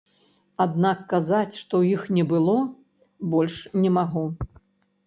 Аднак казаць, што іх не было больш, не магу.